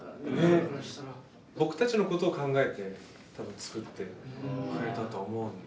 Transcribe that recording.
僕たちのことを考えて多分作ってくれたと思うので。